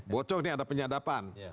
bocor nih ada penyadapan